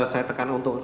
saya tekan untuk